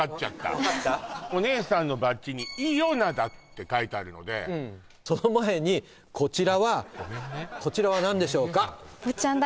もうお姉さんのバッジに「Ｉｙｏｎａｄａ」って書いてあるのでその前にこちらはごめんねこちらは何でしょうか？